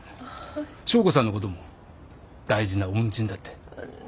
祥子さんのことも大事な恩人だって。